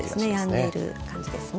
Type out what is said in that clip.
やんでいる感じですね。